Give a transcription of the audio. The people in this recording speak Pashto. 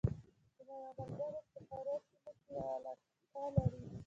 زما یو ملګری په هارو سیمه کې یوه علاقه لري